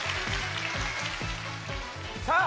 さあ